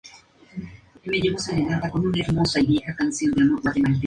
Princesita en tuDiscoveryKids.com